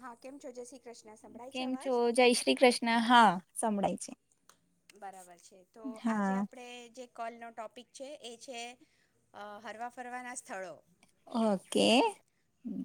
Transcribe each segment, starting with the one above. હા, કેમ? છો જય શ્રી કૃષ્ણ સંભળાય છે કેમ છો? અવાજ જય શ્રી કૃષ્ણ! હા સંંભળાય છે. બરાબર છે તો આજે હા આપણે જે કોલ નો ટોપિક છે એ છે હરવા ફરવાના સ્થળો. ઓકે.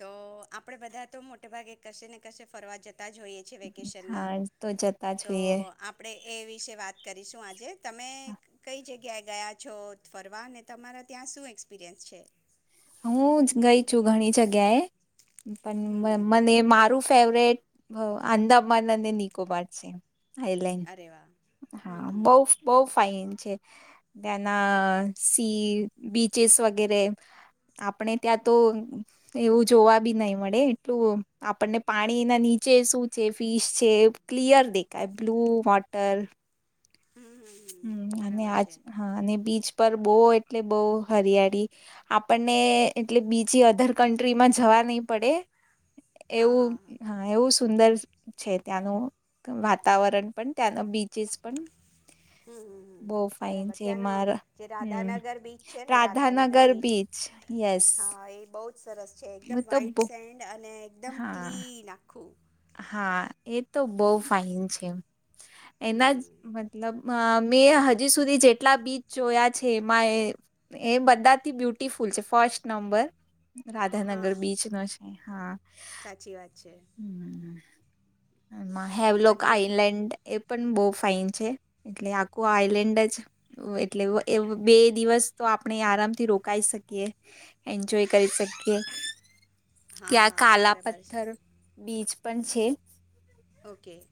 તો આપડે બધા તો મોટે ભાગે કશે ને કશે ફરવા જતા તા જોઈએ છે વેકેશનમાં હા તો જતા તો જોઈએ આપણે એ વિશે વાત કરીશું આજે. તમે કઈ જગ્યાએ ગયા છો ફરવા અને તમારા ત્યાં શું એક્સપિરિયન્સ છે? હું ગઈ છું ઘણી જગ્યાએ પણ મ હમ હમ મને મારું ફેવરેટ અ અંદામાન અને નિકોબાર છે. આઈલેન્ડ અરે વાહ હા હમ હા હમ બહુ બહુ ફાઈન. છે. ત્યાંના સી બીચી્સ વગેરે આપણે ત્યાં તો એવું જોવા બી નહી મળે એટલું આપણને પાણીના નીચે શું છે ફીશ છે ક્લિયર દેખાય. બ્લુ વોટર હમ હમ હમ હમ્મ અને બરાબર આજ છે હા અને બીચ પર બો એટલે બો હરિયાળી આપણને એટલે બીજી અધર કન્ટ્રીમાં જવા નહી પડે હા હા એવું હા હ એવું સુંદર છે ત્યાંનું વાતાવરણ પણ ત્યાંનો બીચસ પણ. હમ બો ફાઇન બરાબર છે. ત્યાંનો મારા જે હમ્મ રાધાનગર બીચ છે ને રાધાનગર બીચ યસ હા એ બહુ સરસ છે. એકદમ હું તો વ્હાઈટ બ સેન્ડ અને એકદમ હા ક્લીન આ [inaudible] હા એ તો બો ફાઈન છે. એના જ હમ મતલબ મેં હજી સુધી જેટલા બીચ જોયા છે, એમાં એ બધાથી બ્યુટિફુલ છે. ફર્સ્ટ નંબર રાધાનગર હા બીચ નો છે. હા. સાચી વાત છે. હમ. હેવ લોક અને આઈલેન્ડ એ પણ બવ ફાઈન છે. એટલે આખું આઈલેન્ડ જ એટલે બે દિવસ તો આપણે આરામથી રોકાઈ શકીએ, એન્જોય કરી શકીએ. હા ત્યાં કાલા બરાબર છે પથ્થર, બીચ પણ છે. ઓકે.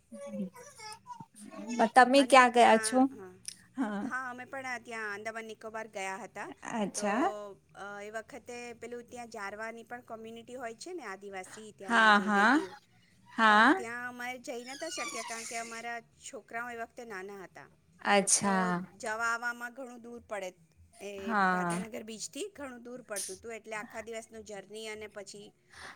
[inaudible] તમે અને ક્યાં ગયા ત્યાં, છો હા હા અમે પણ આ ત્યાં અંદમાન નિકોબાર ગયા હતા તો અચ્છા અ વખતે પેલું ત્યાં જારવાની પણ કોમ્યુનિટી હોય છે ને આદિવાસી ત્યાંના હા જે હા લેટિવ હા પણ ત્યાં અમારે જઈ નતા શક્યા કારણ કે અમારા છો છોકરાઓ એ વખતે નાના હત તો અચ્છા જવા-આવવામાં. ઘણું દૂર પડે. એ હા રાધાનગર બીચ થી ઘણું દૂર પડતું હતું એટલે આખા દિવસનું જે ની અને પછી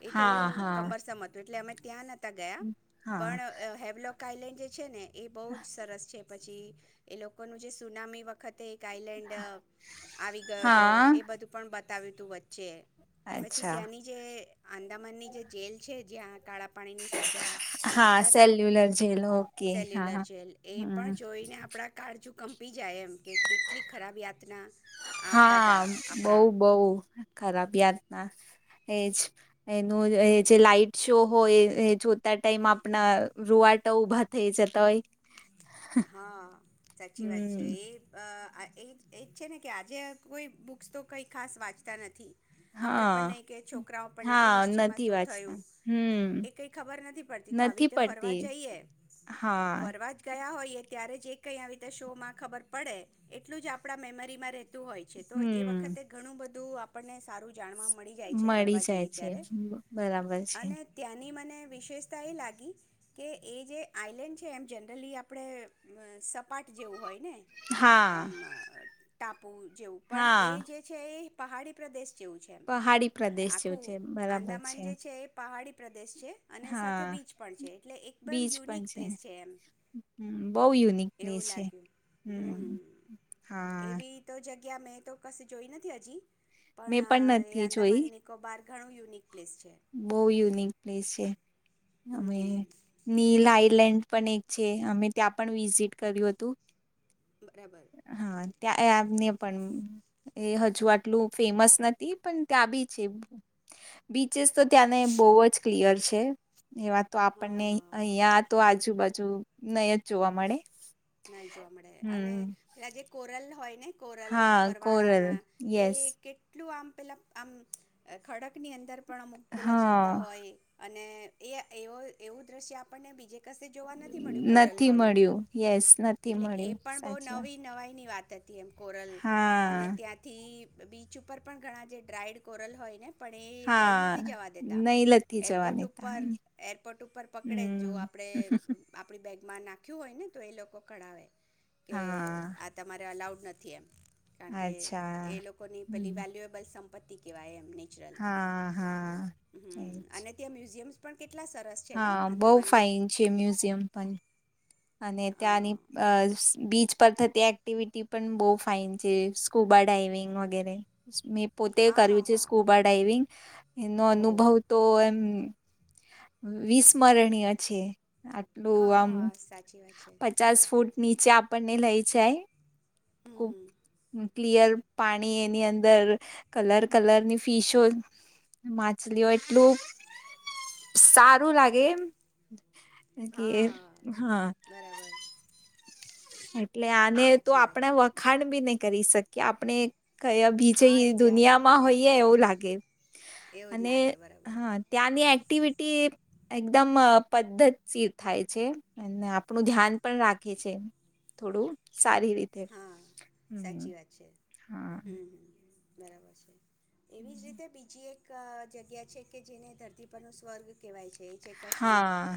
એ હા થોડું હા કમરસમ હતું એટલે અમે ત્યાં નથી ગયા હા પણ હેવલોક કાયલેન્ડ જે છે ને એ બહુ જ સરસ છે. પછી એ લોકોનું જે સુનામી વખતે કાંઈલેન્ડ આવી ગયો હતો હા એ બધું પણ બતાવ્યુતું વચ્ચે પછી અચ્છા ત્યાંની જે આંદામાનની જે જેલ છે જ્યાં કાળા પાણીની સજા હા સેલ્યુલર જેલ ઓકે. લર હા જેલ એ પણ હમ જોઈને આપણા કાળ કંપી જાય એમ કે કેટલી ખરાબ યાતના. આપતા હતા હા બવ આપણા બવ ખરાબ યાતના એજ એનું જે લાઈટ શો હોય એ જોતા ટાઈમ આપણા રૂવાટા ઉભા થઈ જતા હોય. હા સાચી વાત છે હમ એ અ આ એ જ એ જ છે ને કે આજે કોઈ બુક્સ તો કંઈ ખાસ વાંચતા નથી. આપણેે પણ હા નહી કે છોકરાઓ પણ ન કે હા હિસ્ટ્રીમાં નથી શું વાંચતા થયું હમ એ કઈ ખબર નથી પડતી તો આવી નથી રીતે ફરવા પડતી જઈએ, હા ફરવા જ ગયા હોય. ત્યારે જે કઈ આવી રીતે શો માં ખબર પડે એટલું જ આપડા મેમરીમાં રે તું હોય છે. તો એ હમ વખતે ઘણું બધું. તો આપણને સારું. જાણવા મળી જાય છે મળી ફરવા જાય જઈ છે ત્યારે બરાબર છે અને ત્યાંની મ મને વિશેષતા એ લાગી કે એ જે આઈલેન્ડ છે એમ જનરલી આપણે અ સપાટ જેવું હોય. ને હા આમ તાપ આપવું જેવું પણ હા એ જે છે એ પહાડી પ્રદેશ. જેવું છે. પહાડી પ્રદેશ જેવું આખું છે બરાબર આંદામાન જે છે, એ પહાડી. દેશ છે અને સાથે હા બીચ પણ છે. એટલે એકદમ બીચ યુનિક પ્લેસ છે એમ. બઉ યુનિક પ્લસ એવું છે. લાગ્યું હમ્મ હમ હા. એવી તો જગ્યા મેં તો કશે જોઈ નથી હજી. પણ એ આદામાન નિકોબાર ઘનુ યુનિક. પ્લેસ છે બઉ યુનિક પ્લેસ છે. અમે હમ નીલાઈલેન્ડ પણ એક છે અમે ત્યાં પણ વિઝિટ કર્યું હતું. બરાબર હ ત્યાં અ આમ [unintelligible] પણ એ હજુ આટલું ફેમસ નથી, પણ ત્યાં બી છે. બી ચેસ તો ત્યાંને બહુ જ ક્લિયર છે. એવા તો હા આપણને હા અહિયાં તો આજુબાજ જો નય જ જોવા મળે. નય જોવા મળે, અને હમ પેલા જે કોરલ હોય. ને કોરલ હા કોરલ ઉરવાળાના એ યસ કેટલું આમ પેલા આમ ખડકની અંદર પણ અમુક પેલા હા જીવતા હોય. અને એ એવો અ એવું દૃશ્ય આપણને બીજે કશે જોવા નથી મળ્યું, કોરલ નથી વાળું. મળ્યું યસ નથી એટલે એ મળ્યું પણ બઉ સાચી વાત નવી નવાઈની વાત. એમ કોરલ અને હા ત્યાંથી બીચ ઉપર પણ ઘણા જે ડ્રાઈડ કોરલ હોય ને પણ એ લઈ નથી હા જવા દેતા, નહી લથી એરપોર્ટ જવાની ત ઉપર એરપોર્ટ ઉપર પકડે જો હમ આપડે આપડી બેગ માં નાખ્યું હોય, ને તો એ લોકો કળાવે. કે હા આ તમારે અલાઉડ નથી એમ. કારણ કે એ અચ્છા લોકોની પેલી હમ વેલ્યુએબલ સમ પતી કહેવાય, એમની. હા, હા, એજ. અને ત્યાં મ્યુઝિયમ્સ પણ કે હા બહ ફાઈન છે મ્યુઝિયમ પણ અને હા ત્યાંની અ બીચ પર થતી એક્ટિવિટી પણ બહુ ફાઇન છે, સ્કુબા ડાઈવિંગ વગેરે. મેં પોતે હા કર્યું હા છે હા સ્કૂબા ડાઈવિંગ એનો ઓહો અનુભવ તો એમ વિસ્મરણીય છે. આટલું આમ હા સાચી વાત છે પચાસ ફૂટ નીચે આપણને લઈ જાય. ખુબ હમ ક્લિયર. પાણી એની અંદર કલર કલર ની ફીશો માછલીઓ એટલું સારું લાગે. કે હા હા. બરાબર [unintelligible] એટલે આને તો સાચી વાત આપણા છે વખાણ બી ન કરી શકીએ. આપણે ક બીજે હા એક જાત દુનિયામાં હોઈએ એવું લાગે, એવું જ અને લાગે બરાબર હા ત્યાંની એક્ટિવિટી એકદમ પદ્ધતી થાય છે. અને આપણું ધ્યાન પણ રાખે છે. થોડું સારી રીતે. હા હમ સાચી વાત છે. હા હમ હ. બરાબર છે. એવી જ રીતે બીજી એક એક જગ્યા છે કે, જેને ધરતી પરનો સ્વર્ગ કહેવાય છે. જે છે કાશ્મીર હા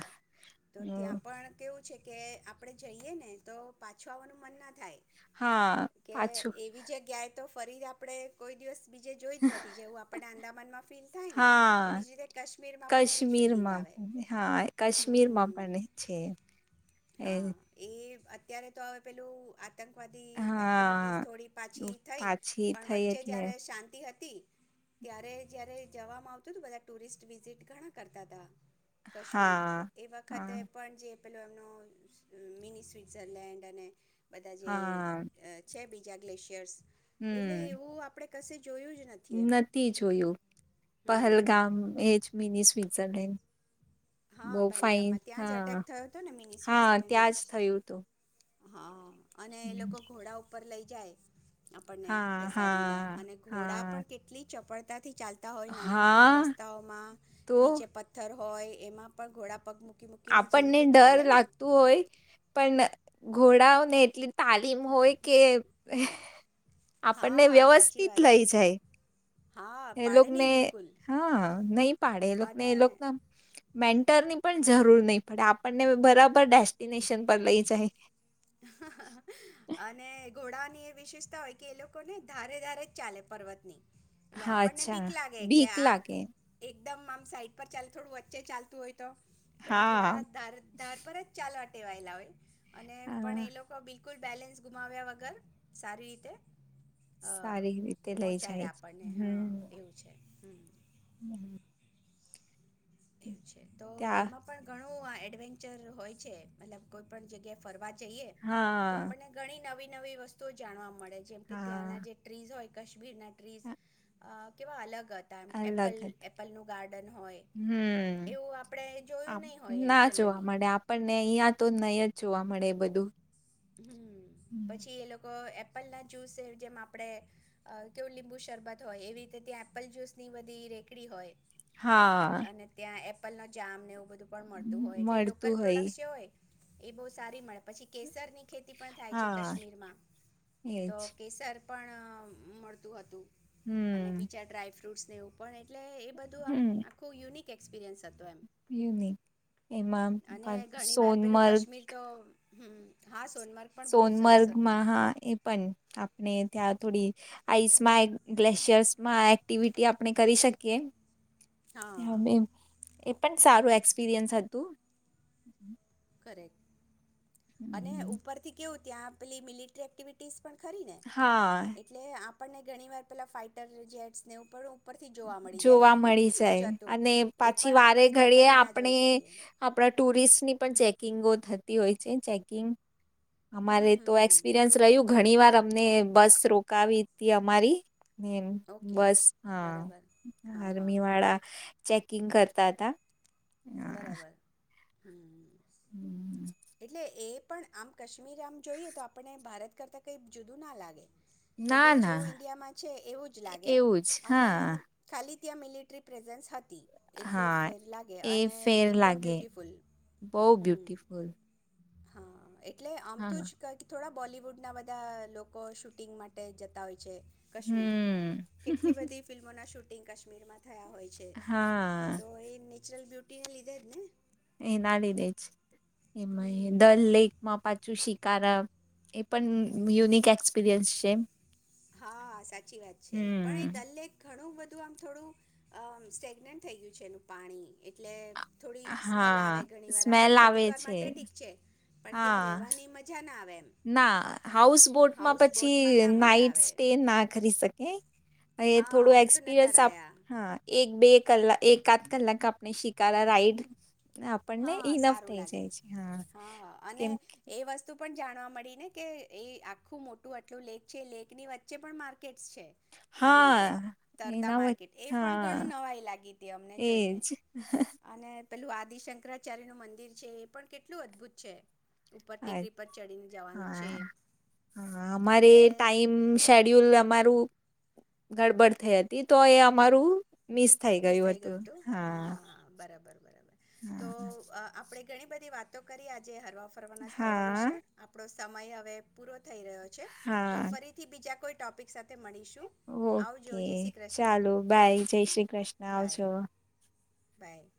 તો ત્યાં હમ, પણ કેવું છે કે આપણેે જઈએ ને તો પાછું આવવાનું મન ના થાય. હા. કે પાછું એવી જગ્યાએ તો ફરી આપડે કોઈ દિવસ બીજે જોઈ જ નથી જેવું આપણને આંદામાનમાં ફીલ થાય ને હા એવી જ રીતે કાશ્મીરમાં પણ એવી જ ફિલિંગ કાશ્મીરમાં આવે હા હ. કાશ્મીરમાં પણ છે એ અત્યારે તો હવે પેલું આ આતંકવાદી એક્ટિવિટીઝ હા થોડી પાછી થઈ, પાછી પણ થઈ વચ્ચે એટલે જ્યારે શાંતિ હતી. ત્યારે જયારે જવામાં આવતું બધા ટુરિસ્ટ વિઝટ ઘણાં કરતાં હતા. કાશ્મીર તો હા એ વખતે હા પણ જે પેલો એમનો મિની સ્વિટઝરલેન્ડ અને બધા જે હા છે બી જ્યાં ગ્લેેશિયર્સ. એટલે હમ એવું આપણે કસી નથી જોયું હમ પહેલગામ એજ મિની સ્વી સલીમ હા બહુ ફાઈન પહેલગામમાં ત્યાં જ હા અટેક થયો હતો ને મિની હા ત્યાં સ્વિટ્ઝરલેન્ડમાં જ થયું તું. હા. અને એ લોકો ઘોડા ઉપર લઈ જાય. આપણને હા બેસાડીને હા અને ઘોડા હા પણ કેટલી ચપળ ત્યાંથી ચાલતા હોય નાના-નાના હા રસ્તાઓમાં તો નીચે પથ્થર હોય એમાં પણ ઘોડા પગ મુક આપણને ડર લાગતું હોય પણ ઘોડાઓને એટલી તાલીમ હોય કે હા આપણને હા સાચી વ્યવસ્થિત વાત લઈ છે જાય. હા એ પાડે લોકને નહીં બિલકુલ હહ નહીં પાડે. એ લોકને અને એ લોકને મેન ટરની પણ જરૂર નઈ પડે આપણને બરાબર ડેસ્ટિનેશન પર લઈ જાય. અને ઘોડા વિશેષતા હોય કે એ લોકો ને ધારે ધારે જ ચાલે પર્વતની એટલે હા આપણને અચ્છા બીક લાગે કે બીક આ લાગે એક એકદમ આમ સાઈડ પર ચાલે થોડું વચ્ચે ચાલતું હોય. તો પણ એ ઘોડા હા ધાર ધાર પર જ ચાલવા ટેવાયેલા હોય અને પણ હા એ લોકો બિલકુલ બેલેન્સ ગુમાવ્યા વગર સારી રીતે અ સારી રીતે લઈ પહોંચાડે જાય છે. આપણને હહ એવું છે હમ હમ્મ હમ્મ. એવું છે તો ત્યાં એમાં પણ ઘણો નું આ એડવેન્ચર હોય છે મતલબ કોઈ પણ જગ્યા ફરવા જઈએ તો હા આપણને ઘણી નવી નવી વસ્તુઓ જાણવા મળે આપડે જેમ કે ત્યાંના હા જે ટ્રીઝ હોય કશ્મીર નટ [unintelligible] કેવા અલગ [unintelligible] એપલ અલગ હત એપલ નું ગાર્ડન હોય. હમ એવું આપણે જોયું નહીં હોય એમ ના જોવા જનરલી મળે આપણને અહિયાં તો નય જ જોવા મળે એ બધું. હમ પછી એ લોકો એપ પેલા જ્યુસે જેમ આપડે અ કેવું લીંબુ શરબત હોય એવી રીતે ત્યાં એપલ જ્યુસ ની બધી રેકડી હોય. હા અને ત્યાં એ પેલા જામ ને એવ બધું પણ મળતું હોય એટલે લોકલ પ્રોડક્ટ જે હોય એ બઉ સારી મળે પછી કેસર ની ખેતી પણ થાય છે હા કાશ્મીરમાં તો એજ કેસર પણ મળતું હતું. અને હમ બીજા ડ્રાયફ્રૂટ એ પણ એક એટલે એ બધું આમ હમ આખું યુનિક એક્સપેરિએન્સ. યુનિક એમાં અને સોનમર્ગ હમ્મ. હાસ સોનમર્ગ માં હા એ પણ આપણે ત્યાં થોડી આઈસમાં ગ્લેશિયર્સમાં એક્ટિવિટી આપણે કરી શકીએ. હા હમે એ પણ સારું એક્સપિરિયન્સ હતું. કરેક્ટ. અને ઉપર થી કેવું ત્યાં આપલી મિલિટ્રી એક્ટિવિટીઝ ખરીને હા એટલે આમ આપણને ઘણી વાર પહેલાં ફાઇટર જેટ્સને એવું પડું જોવા મળી જાય અને એ પાછી પણ વારે આપણે ઘડીએ જનરલી ના આપણે જોઈ શકીએ આપણા ટુરિસ્ટની પણ ચે કિંગો થતી હોય છે ચેકિંગ. અમારે હમ તો હમ એક્સપિરિયન્સ રહ્યું ઘણી વાર ને બસ રોકાવી હતી અમારી. નેમ ઓકે બસ હા. બરાબર હા હા આર્મીવાળા ચેક કિંગ કરતા હતા. હા. બરાબર. હમ... એટલે એ પણ આમ કાશ્મીર આમ જોઈએ તો આપને ભારત કરતા કઈ જુદું ના લાગે. ના બધું ના જેવું ઈન્ડિયામાં છે એવું જ લાગે, એવું જ અને હા ખાલી ત્યાં મિલેટરી પ્રેઝેન્સ હતું. એટલો હા ફેર લાગે. એ અને ફેર એકદમ લાગે. બ્યુટિફુલ બહુ હમ બ્યુટફુલ. હા. એક એટલે આમ તો જ કંઈ થોડા બોલીવુડના બધા લોકો શૂટિંગ માટે જતા હોય. છે. કશ્મીર હમ કેટલી બધી ફિલ્મોના શૂટ એ કશમીરમાં થયા હોય છે. હા તો એને નેચરલ બ્યુટી ને લીધે. એના લિદે જ. એમાંય એ હમ દલ લેકમાં પાછું શીક કારણ એ પણ યુનિક એક્સપિરિયન્સ છે. હા સાચી વાત છે પણ એ હમ દલ લેક ઘણું બધું તુ આમ થોડું અ સ્ટેગનેટ થઈ ગયું છે એનું પાણી એટલે થોડી સ્મેલ આવે હા ઘણી વાર સ્મેલ આપણે આવે થોડીક વાર છે માટે ઠીક છે પણ ત્યાં હા રેવાની મજા ના આવે. એમ ના હાઉસ બોટમાં હાઉસ પછી બોટમાં ના નાય મજા નાઈટ આવે સ્ટે ના કરી શકે. એ હા થોડું અમે તો નહોતા એક્સપિરિયન્સ આપ રહ્યા હા એક બે કલાક. એકાધ કલાક આપણે શિકારા રાઈડ આપણને હા ઈનફ સારું થઈ લાગે જાય છે. હા અને કેમ એ વસ્તુ પણ જાણવા મળીને કે એ આખું મોટું આટલું લેક છે લેકની વચ્ચે પણ માર્કેટસ છે. આવી હા રીતે તરતા એના વચ માર્કેટ એ પણ ઘણું હા નવાઈ લાગી હતી અમને જોઈને. એજ અને પેલું આદિશં શક્રરાચાર્યનું મંદિર છે એ પણ કેટલું અદભુત છે. ઉપર અ ટેકરી પર ચડીને જવાનું છે હા હા અમારે એટલે ટાઈમ શેડ્યુલ અમારું ગડબડ થઈ હતી, તો એ અમારું મિસ થઈ ગયું હતું હા હા બરાબર બરાબર તો હા આપણે ઘણી બધી વાતો કરી આજે હરવા ફરવાના સ્થળો હા વિશે આપણો સમય હવે પૂરો થઈ રહ્યો છે. તો હા ફરીથી બીજા કોઈ ટોપિક સાથે મળીશું આવજો ઓકે જય શ્રી કૃષ્ણ ચાલો બાય જય શ્રી કૃષ્ણ. આવજો. બાઈ.